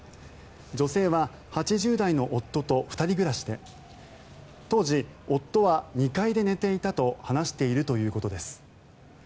女性は８０代の夫と２人暮らしで当時、夫は２階で寝ていたと話しているということです。